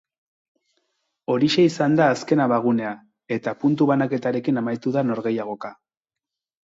Horixe izan da azken abagunea, eta puntu banaketarekin amaitu da norgehiagoka.